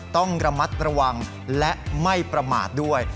ต้องระมัดระวังและไม่ประมาทด้วย